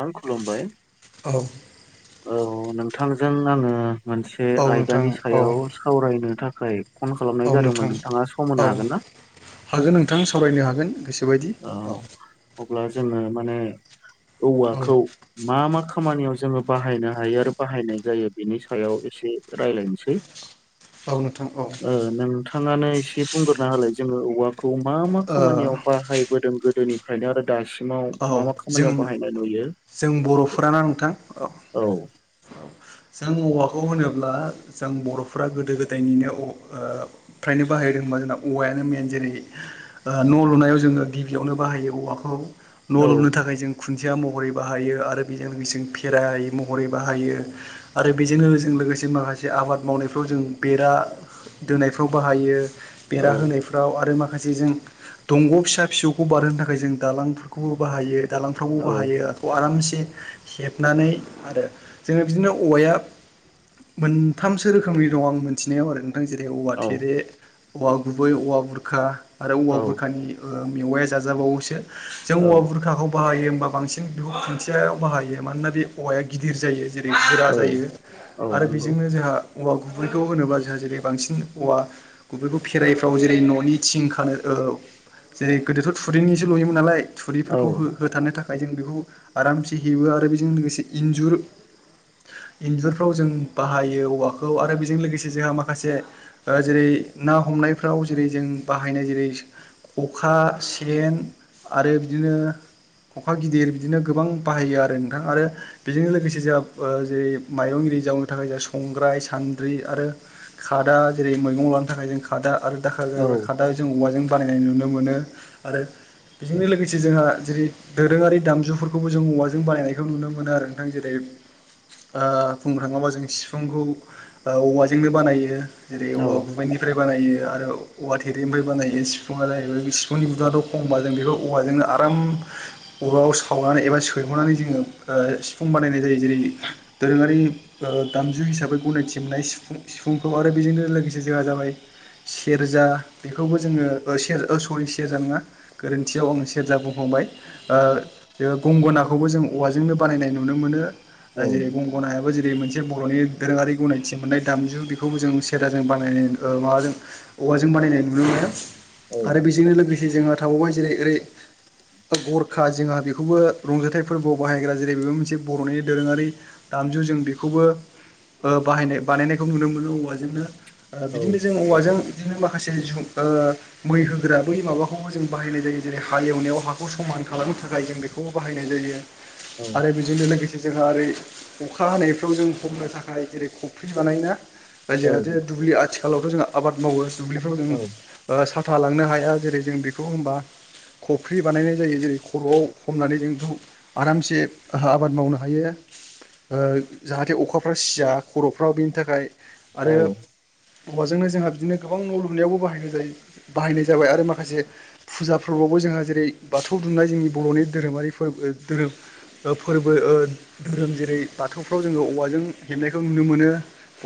नोंथां खुलुमबाय औ औ नोंथांजों आङो मोनसे औ नोंथां आयदानि औ सायाव सावरायनो थाखाय फन खालामनाय औ नोंथां जादोंमोन नोंथाङा सम औ होनो हागोन ना हागोन नोंथां सावरायनो हागोन गोसोबायदि औ अब्ला जोङो माने औ औवाखौ मा मा खामानियाव जोङो बाहायनो हायो आरो बाहायनाय जायो बेनि सायाव एसे रायलायनोसै औ नोंथां औ नोंथाङानो एसे बुंग्रोना होलाय जोङो औवाखौ मा मा ओ खामानियाव बाहाय गोदोनिफ्रायनो आरो दा सिमाव औ मा मा जों खामानियाव बाहायनाय नुयो जों बेखौ बर'फोराना नोंथां औ जों औवाखौ होनोब्ला जों बर'फोरा गोदो गोदायनिनो ओ फ्रायनो बाहाय जे होनबा जोंना औवायानो मेन जेरै न' लुनायाव जोङो गिबियावनो बाहायो औवाखौ न' औ लुनो थाखाय जों खुन थिया महरै बाहायो आरो बेजों लोगोसे भेराय महरै बाहायो आरो बेजों लोगोसे माखासे आबाद मावनायफ्राव जों बेरा दोनायफ्राव बाहायो औ बेरा होनायफ्राव आरो माखा से जों दंग' फिसा फिसौखौ बारहोनो थाखाय जों दालांफोरखौबो बाहायो दालांफ्रावबो औ बाहायोखौ आरामसे हेबनानै आरो जोङो बिदिनो औवाया मोनथामसो रोखोमनि दं आं मोनथिनायाव आरो जेरै औवा थेरे औवा गुबै औवा बुरखा आरो औ औवा बुरखानि मेवाइया जाजाबावोसो जों औवा बुरखाखौ बाहायो होनबा बांसिन खुन्थियायाव बाहायो मानोना बे औवाया गिदिर जायो जेरै गोरा औ जायो औ आरो नंगौ बेजोंनो जोंहा औवा गुबैखौ होनोबा जोंहा जेरै बांसिन औवा गुबैखौ फेराइफ्राव जेरै न'नि थिं खानो औ जेरै गोदोथ' थुरिनिसो लुयोमोन नालाय औ थुरिफोरखौ हो होथारानो था खाय जों बेखौ आरामसे हेबो आरो बेजों लोगोसे इन्जुर इन्जुरफ्राव जों बाहायो औवाखौ आरो बेजों लोगोसे जोंहा माखासे ओ जेरै ना हमनायफ्राव जेरै जों बाहायनाय जेरै खखा सेन आरो बिदिनो खखा गिदिर बिदिनो गोबां बाहायो आरो नोंथां आरो बेजोंनो लोगोसे जोंहा जेरै माइरंगिरि जावनो थाखाय जों संग्राय सान्द्रि आरो खादा जेरै मैगं नि थाखाय जों खादा आरो दाखा औ खादा जों औवाजों बानायनाय नुनो मोनो आरो बेजोंनो लोगोसे जोंहा जेरै दोरोङारि दामजुफोरखौबो जों औवाजों बानायनायखौ नुनो मोनो आरो नोंथां जेरै ओ बुंनो थांङोबा जों सिफुंखौ औवाजोंनो बानायो जेरै औ औवा गुबुबैनिफ्राय बानायो आरो औवा थेरैनिफ्राय बानायो सिफुं जाहैबाय बे सिफुंनि गुदुंआथ' खमबा जों बेखौ औवाजोंनो आराम औवाखौ सावनानै एबा सैहरनानै जोंङो सिफुं बानायनाय जायो जेरै दोरोंङारि दामजु हिसाबै गनायथि मोननाय सिफुंखौ आरो बेजोंनो लोगोसे जोंहा ओफाय सेरजा बेखौबो जोंङो सेर सरि सेरजा नंङा गोरोन्थियाव आं सेरजा बुंहावबाय औ ओ गंगनाखौबो जों औवाजोंनो बानायनाय नुनो मोनो जेरै गंगोनायाबो मोनसे बर'नि दोरोङारि गनायथि मोननाय दामजु बेखौबो जों सेरजाजों बानायनाय ओ माबाजों औवाजों बानायनाय नुनो मोनो औ आरो बेजोंनो लोगोसे जोंहा थाबावबाय जेरै ओरै दा गरखा जोंहा बेखौबो रंजाथाइ फोरबोआव बाहायग्रा जेरै बेबो मोनसे बर'नि दोरोंङारि दामजु जों बेखौबो बाहायनाय बानायनायखौ नुनो मोनो औवाजोंनो औ बिदिनो जों औवाजों बिदिनो माखासे ओ मै होग्रा बै माबाखौबो जों बाहायनाय जायो जेरै हाल एवनायाव हाखौ समान खालामनो थाखाय जों बेखौ बाहायनाय जायो आरो बेजोंनो लोगो से जोंहा ओरै अखा हानायफ्राव जों हमनो थाखाय जेरै खफ्रि बानायोना औ जायाहाथे दुब्लि आथिखालावथ' जोंहा आबाद मावो दुब्लिफ्राव जों सान फालांनो हाया जेरै जों बेखौ होनोमबा। खफ्रि बानायनाय जायो जेरै खर'आव हमनानै जोंथ आरामसे आबाद मावनो। हायो जाहाथे अखाफ्रा सिया खर'फ्र्रा बेनि थाखाय। औ आरो औवाजोंनो जोंहा बिदिनो गोबां न' लुनायावबो बाहाय जायो बाहायनाय जाबाय आरो माखासे फुजा फोरबोआवबो। जोंहा जेरै बाथौ दुमनाय जोंनि बर'नि धोरोमारि फोरबो। धोरोम जेरै बाथौफ्राव जोंङो औवाजों हेबनायखौ नुनो मोनो।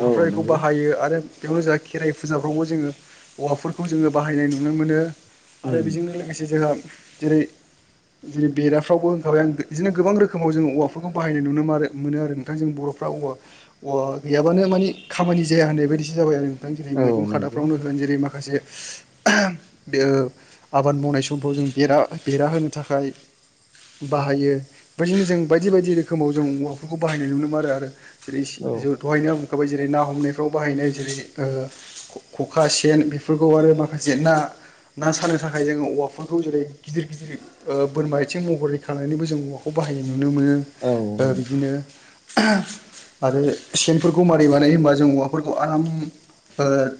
औ फोरा बेखौ नंगौ बाहायो आरो। बेयावनो जोंहा खेराइ फुजाफ्रावबो जोंङो हौवाफोरखौ जोंङो बाहायनाय नुनो मोनो। आरो उम बेजोंनो लोगोसे जोंहा। जेरै जेरै बेराफ्रावबो होनखाबाय आं बिदिनो गोबां रोखोमाव जोंङो औवा। बानाय नाय नुयो आरो नोंथां बर'फ्रा औवा गैयाबानो खामानि जाया। जाबाय आरो जेरै औ मैं नंगौ खादाफ्रावनो होनोग जेरै माखासे बे आबाद मावनाय समखौ जों बेरा बेरा होनो थाखाय बाहायो बेदिनो जों बायदि बायदि बायदि रोखोमाव जों औवाफोरखौ बाहायनाय नुनो मोन आरो आरो औ जेरै दहायनाय। गो जेरै ना हमनायफ्राव बाहायनाय जेरै खखा सेन बेफोरखौ आरो माखासे ना। ना सानो थाखाय जोंङो औवाफोरखौ जेरै गिदिर गिदिर बोरमा आथिं महरैखांनानैबो जों औवाखौ बाहायनो मोनो। नुनो मोनो औ नंगौ बिदिनो। आरो सेनफोरखौ मारि बानायो होनोमबा जों औवाफोरखौ आराम।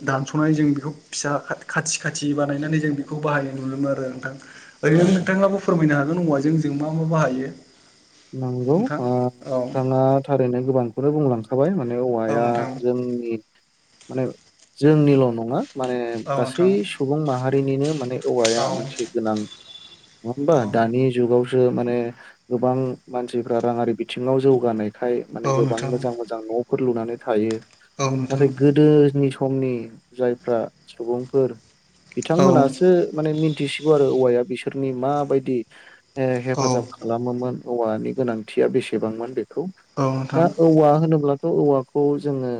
दानस'नानै जों बेखौ फिसा खाथि खाथि बानायनानै जों बेखौ बाहायनाय नुोमोन आरो नोंथां। औ ओरैनो नोंथांनाबो फोरमायनो हागोन ना जों जों मा मा बाहायो। नंगौ नोंथां औ नोंथांङा थारैनो गोबांखौनो बुंलांखाबाय माने। औ औवाया नोंथां जोंनि माने जोंनिल' नंङा। माने औ गासै नोंथां सुबुं माहारिनिनो माने। औवाया औ मोनसे गोनां नङा होमबा औ दानि जुगावसो माने गोबां। मानसिफ्रा राङारि बिथिङाव जौगानायखाय औ माने गोबां नोंथां मोजां मोजां न'फोर लुनानै थायो। औ नोंथां नाथाय गोदोनि समनि जायफ्रा सुबुंफोर औ बिथांमोनासो माने मिथिसिगौ आरो औवाया बिसोरनि माबायदि। औ हेफाजाब खालामोमोन औवानि गोनांथिया बेसेबांमोन बेखौ। दा नोंथां औवा होनोब्ला। थ' औवाखौ जोङो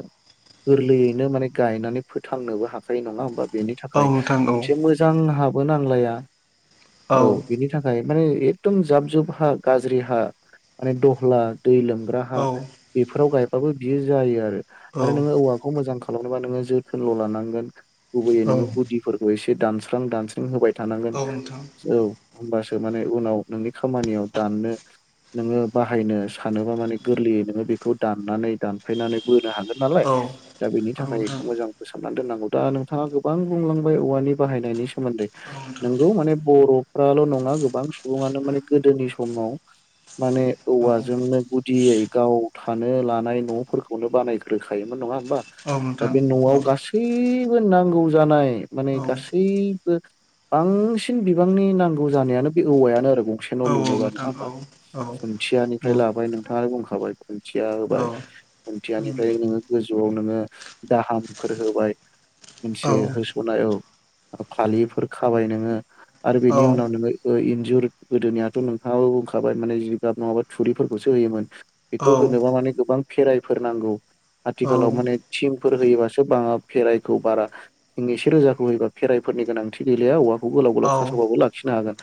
गोरलैयैनो माने गायनानै फोथांनोबो हाखायो नङा होमबा बेनि औ नोंथां औ थाखाय नोंथां औ नोंथां औ नोंथां औ मोनसे मोजां हाबो नांलाया औ बिनि थाखाय माने एकदम जाब जुब हा गाज्रि हा माने दहला दै लोमग्रा हा बेफोराव गायबाबो बियो जायो आरो आरो नोङो औवाखौ मोजां खा लामनोबा नोङो जोथोन ल' लानांगोन गुबैयै नोङो गुदिफोरखौ एसे दानस्रां दानस्रां होबाय। थानांगोन औ होमबासो माने उनाव नोंनि खामानियाव दाननो। नोङो बाहायनो सानोबा माने गोरलैयै नोङो बेखौ दाननानै दानफायनानै बो नो हागोन नालाय दा बेनि थाखाय बेखौ मोजां फोसाब ना दोननांगौ दा नोंथाङा गोबां बुंलांबाय औवानि बाहायनायनि सोमोन्दै नोंगौ माने बर' फ्राल' नङा गोबां सुबुङानो माने गोदोनि समाव माने औवाजोंनो गुदियै गाव थानो लानाय न'फोरखौनो बानायग्रोखायोमोन नङा। होमबा औ दा नोंथां बे न'आव औ गासैबो नांगौ जानाय। माने औ गासैबो बांसिन बिबांनि नांगौ जानायानो बे औवायानो आरो। गंसे न' औ लुनोबा नङा नोंथां औ होमबा औ खुन्थियानिफ्राय उम लाबाय नोंथाङानो बुंखाबाय। खुन्थिया औ होबाय उम खुन्थियानिफ्राय नोङो गो जौआव नोङो दाहामफोर होबाय औ मोनसे होस'नाय‌ औ। फालिफोर खाबाय नोङो आरो औ बिनि उनाव नोङो इन्जुर गोदोनियाथ' नो थाङाबो बुंखाबाय माने जिगाब नङाबा थुरिफोरखौसो होयोमोन बेखौ औ होनोबा माने गोबां फेराइफोर नांगौ औ आथिखालाव माने थिं फोर होयोबासो बाङा भेराइखौ बारा जों एसे रोजाखौ होयोबा भेराइफोरनि गोनांथि गैलाया औवा खौ गोलाव गोलाव खासावबाबो लाखिनो हागोन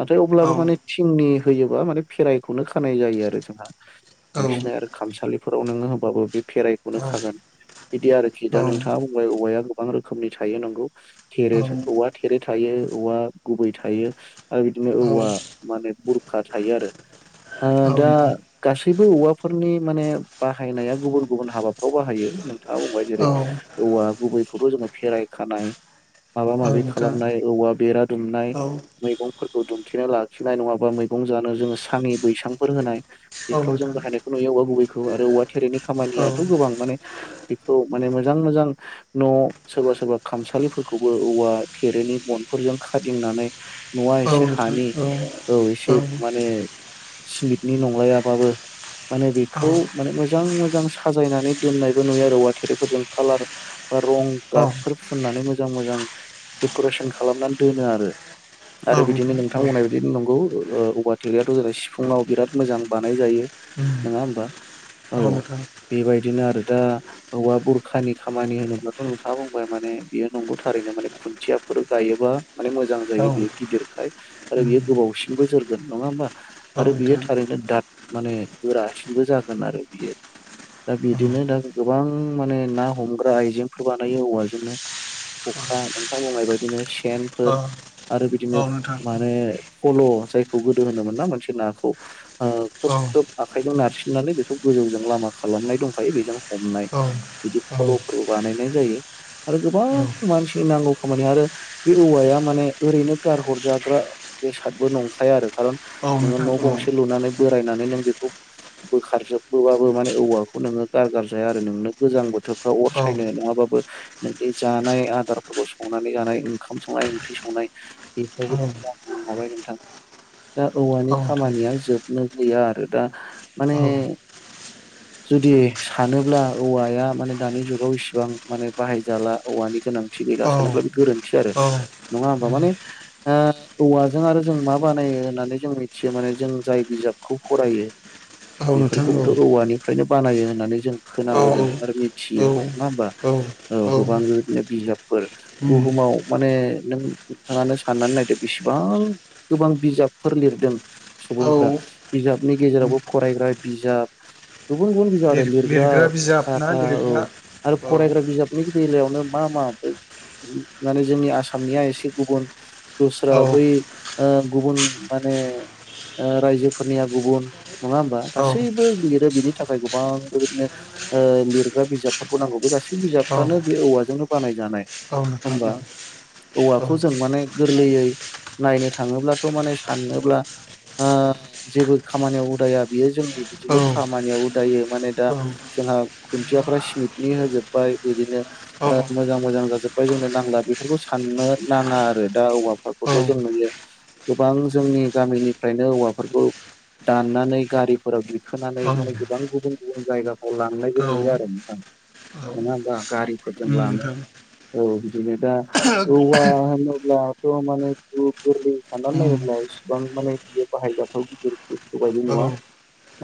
नाथाय औ औ अब्लाबो माने थिंनि होयोबा माने फेरायखौनो खानाय जायो आरो जोंहा औ बांसिन आरो खामसालिफोराव नोङो होबाबो बे फेरायखौनो खागोन बिदि आरोखि दा नोंथाङा बुंबाय औवाया गोबां रोखोमनि थायो नंगौ थेरे औवा थेरे थायो औवा गुबै थायो आरो बिदिनो औवा माने बुरखा थायो आरो ओ दा नोंथां गासै खिनथु औवाफोरनि माने बाहायनाया गुबुन गुबुन हाबा फ्राव बाहायो नोंथाङा बुंबाय जेरै औ नोंथां औ औवा गुबैखौथ' जोङो फेराय खानाय माबा औ माबि नोंथां खालामनाय औवा बेरा दुमनाय औ नोंथां औ नोंथां औ उम औ नोंथां औ उम औ नोंथां औ ओ मैगंफोरखौ दुमथिना ला- खिनाय नङाबा मैगं जानो जोङो सानि बैसांफोर होनाय औ नोंथां औ बेफ्राव जों बाहायनायखौ नुयो औवा गुबैखौ आरो औवा थेरेनि खामानियाथ' गोबां माने बेखौ माने मोजां मोजां न' सोरबा सोरबा खामसालि फोरखौबो औवा थेरेनि बनफोरजों खादंनानै न'आ एसे हानि औ एसे माने सिमेटनि नंलायाबाबो माने बेखौ माने मोजां मोजां साजायनानै दोननायबो नुयो आरो औवाथेरेफोरजों कालार बा रं गाबफोर फुननानै मोजां मोजां डेक'रेसन खालामनानै दोनो आरो औ आरो बिदिनो नोंथां बुंनाय बादि ओ औवा थेरेयाथ' ओरै सिफुङाव बिराद मोजां बा- नाय जायो नङा होमबा औ बेबायदिनो आरो दा औवा बुरखानि खामानि होनोब्लाथ' नोंथाङा बुंबाय माने बियो नंगौ थारैनो माने खुन्थिया फोर गायोबा माने मोजां जायो बियो गिदिरखाय आरो बेयो गोबावसिनबो जोरगोन नङा होमबा आरो बियो नोंथां थारैनो दाद माने गोरासिनबो जागोन आरो बियो दा बिदिनो दा गोबां माने ना हमग्रा आइजेंफोर बानायो औवाजोंनो अखा नोंथां बुननायबायदिनो सेनफोर आरो बिदिनो माने फल' जायखौ गोदो होनोमोन ना मोनसे नाखौ ओ ख्रोब ख्रोब आखाइजों नारसिननानै बेखौ गोजौजों लामा खालामनाय दंखायो बेजों हमनाय बिदि फल'फोर बानायनाय जायो आरो गोबां मानसि नांगौ खामानि आरो बे औवाया माने ओरैनो गारहर जा ग्रा बेसादबो नंखाया आरो कारन नोङो न'गंसे लुनानै बोरायनानै नों बेखौ बोखार जोबहोबाबो माने औवाखौ नोङो गारगारजाया आरो नोंनो गोजां बो बोथोरफ्राव अर औ सायनो नङाबाबो नोंनि जानाय आदारफोरखौ संनानै जानाय ओंखाम संनाय ओंख्रि संनाय औ औ बेफोरावबो [unintelligible] हाबाय नोंथां दा औवानि औ नोंथां खामानिया जोबनो गैया आरो दा माने जुदि सानोब्ला औवाया माने दानि जुगाव इसिबां माने बाहायजाला औवानि गोनां दि गैला औ सानोब्ला बे गोरोन्थि आरो औ नङा होबा माने ओ औवाजों आरो जों मा बानायो होननानै जों मिथियो माने जों जाय बिजाबखौ फरायो। औ नोंथां औ बेफोरखौबोथ' औवानिफ्रायनो बानायो होननानै जों औ खोनाबोदों आरो मिथियो औ नङा होमबा औ गोबां बेदिनो बिजाबफोर उम बुहुमाव माने नों नोंथाङानो साननानै नायदो बेसेबां गोबां बिजाबफोर लिरदों औ सुबुंफ्रा बिजाबनि उम गेजेरावबो फरायग्रा बिजाब गुबुन गुबुन बिजाब आरो लिर लिरग्रा बिजाब ना साथा लिरग्रा औ आरो फरायग्रा बिजाबनि बेलायावनो मा मा माने जोंनि आसामनिया एसे गुबुन दस्रा औ बै ओ गुबुन माने रायजोफोरनिया गुबुन नङा होमबा औ गासैबो लिर बेनि थाखाय गोबां बेबायदिनो ओ लिरग्रा बिजाबफोरखौ नांगौ बे गासैबो बिजाबफ्रानो बे औवाजों बानाय जाय औ नोंथां औ। औवाखौ जों माने गोरलैयै नायनो थाङोब्लाथ' माने साननोब्ला। जेबो खामानियाव उदाया बियो जोंनि औ बिदिल' खामानियाव उदायो माने दा। जोंहा खुन्थियाफ्रा सिमेटनि होजोबबाय बिदिनो औ मोजां मोजां जाजोब्बाय जोंनो नांला बे बेखौ साननो नाङा आरो। दा औवाफोरखौथ' जों नुयो गोबां जोंनि गामिनिफ्रायनो औवाफोरखौ। दाननानै गारिफोराव दिखोनानै माने गोबां गुबुन गुबुन जायगाफ्राव लांनायबो नुयो आरो नोंथां। नङा होमबा गारिफोरजों उम लानो नोंथां औ बिदिनो दा औवा होनो ब्लाथ' माने साननानै उम नायोब्ला इसिबां माने बियो बाहायजाथाव गिदिरखौ। गौ बायदि औ नङा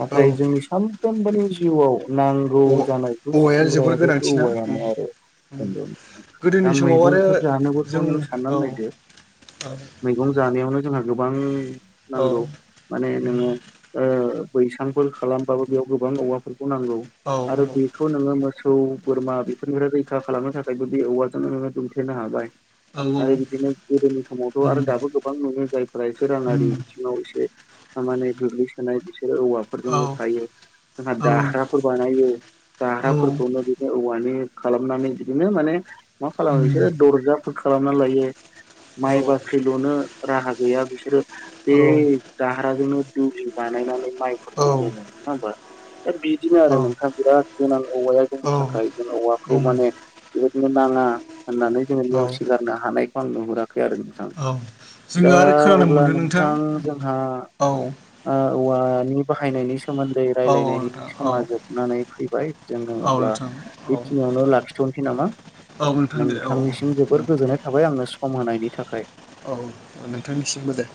नाथाय औ जोंनि सानफ्रोमबोनि जिउआव नांगौ जानाय। [unintelligible] औवाया जोबोर गोनांथि ना औवायानो उम आरो उम दा गोदोनि समाव आरो मैगंफोर जानोबोथ' जों नों साननानै औ नायदों। मैगं जानायावनो जोंहा गोबां। औ औ नांगौ माने नोङो ओ बैसांफोर खालामबाबो बेयाव गोबां औवा। नांगौ औ आरो बेखौ नो सौ बोरमा बेफोरनिफ्राय रैखा खालामनो थाखायबो बे औवाजोंनो दुमथेनो हाबाय। औ आरो औ। बिदिनो गोदोनि समावथ' आरो दाबो गोबां नुयो जायफ्रा एसे राङारि उम बिथिङाव एसे। थामाने दुब्लि सोनाय बिसोरो औ औवाफोरजोंनो खायो जोंहा औ दाख्राफोर बानायो। दाह्राफोरखौनो बिदिनो औवानि खालामनानै बिदिनो माने मा खालामो उम बिसोरो दरजाफोरखौ। खालामना लायो औ माइ बाख्रि लुनो राहा गैया बिसोरो औ बे दाह्राजोंनो दौज बानायनानै। माइ औ फोरखौ दोनो उम नङा होनबा दा बिदिनो आरो नोंथां बिराद गोनां औवाया जोंनि थाखाय जों औवाखौ माने बेबायदिनो ना ङा होननानै जोङो औ नेवसिगारनो हानायखौ आं नुहुराखै आरो नोंथां। दा जोङो आरो खोनानो अब्ला मोनदों नोंथां जोंहा औ औवानि बाहायनायनि सोमोन्दै रायलायनायनि औ औ नोंथां औ समा जोबनानै फैबाय। जों औ अब्ला नोंथां औ बेखिनियावनो लाखिथ'नोसै नामा? औ नोंथां दे औ नोंथांनिसिम जोबोर गोजोननाय थाबाय आंनो सम होनायनि थाखाय। औ नोंथांनिसिमबो दे